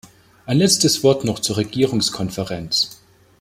Ein letztes Wort noch zur Regierungskonferenz.